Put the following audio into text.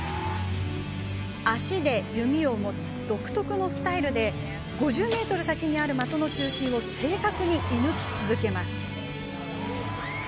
足で弓を持つ独特のスタイルで５０ｍ先にある的の中心を正確に射抜き続けます。